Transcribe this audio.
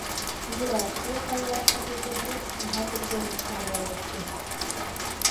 Ира, туох айылаахха тиэтэйдиҥ, наһаа түргэнник хаамар эбиккин